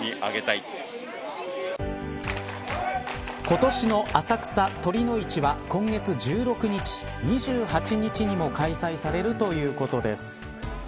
今年の浅草、酉の市は今月１６日、２８日にも開催されるということです。